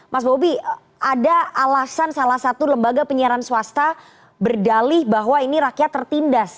mas bobi ada alasan salah satu lembaga penyiaran swasta berdalih bahwa ini rakyat tertindas